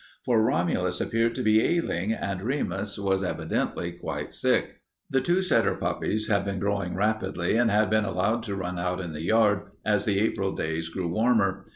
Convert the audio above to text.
For Romulus appeared to be ailing and Remus was evidently quite sick. The two setter puppies had been growing rapidly and had been allowed to run out in the yard as the April days grew warmer.